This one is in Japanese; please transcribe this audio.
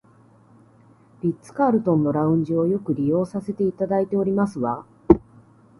リッツカールトンのラウンジをよく利用させていただいておりますわ